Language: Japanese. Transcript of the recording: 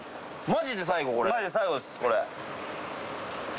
マジで最後です。